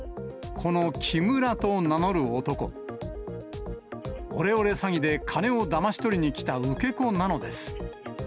このキムラと名乗る男、オレオレ詐欺で金をだまし取りにきた受け子なのです。